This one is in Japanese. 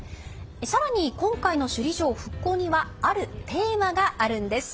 更に、今回の首里城復興にはあるテーマがあるんです。